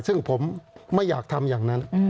ซึ่งผมไม่อยากทำอย่างนั้น